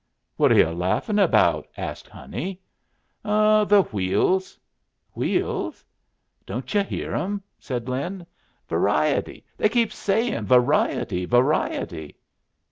"What are yu' laughin' about?" asked Honey. "Oh, the wheels." "Wheels?" "Don't yu' hear 'em?" said Lin. "'Variety,' they keep a sayin'. 'Variety, variety.'"